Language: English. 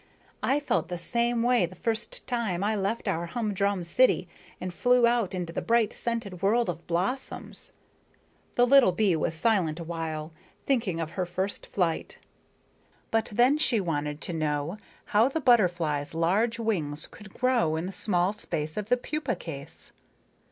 I felt the same way the first time I left our humdrum city and flew out into the bright scented world of blossoms." The little bee was silent a while, thinking of her first flight. But then she wanted to know how the butterfly's large wings could grow in the small space of the pupa case.